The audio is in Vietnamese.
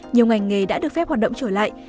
nhiều ngành nghề đã được phép hoạt động trở lại